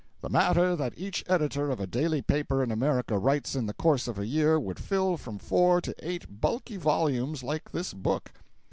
The matter that each editor of a daily paper in America writes in the course of a year would fill from four to eight bulky volumes like this book!